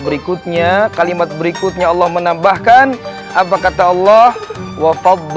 berikutnya kalimat berikutnya allah menambahkan apa kata allah